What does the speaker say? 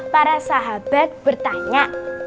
para sahabat bertanya